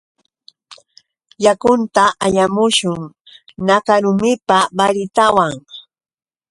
Yakunta allamushun. Nakarumipa baritawan